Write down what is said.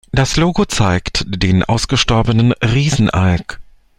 Das Logo zeigt den ausgestorbenen Riesenalk.